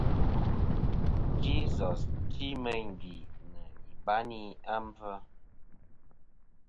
Jesus ti meyn gvì nɨ̀ ibayni a mbvɨ.